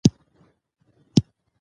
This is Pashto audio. دا د ښځو د خرڅولو مهذبه بڼه ده.